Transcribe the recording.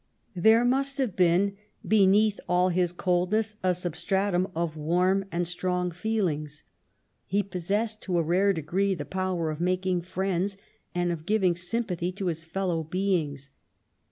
There must have been, beneath all his coldness^ a substratum of warm and strong feeling. He possessed, to a rare degree, the power of making friends and of giving sympathy to his fellow beings.